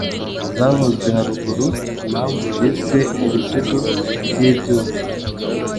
zavuzwe haruguru. Impamvu byiswe ibisigo by'ibyuma,